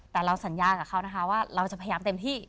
แต่เราสัญญากับเขานะคะว่าเราจะพยายามเต็มที่